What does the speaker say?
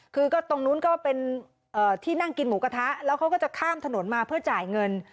คือก็ตรงนู้นก็เป็นที่นั่งกินหมูกระทะแล้วเขาก็จะข้ามถนนมาเพื่อจ่ายเงิน